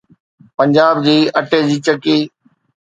پنجاب جي اٽي جي چکی